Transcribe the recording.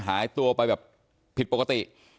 หายตัวไปแบบผิดปกติ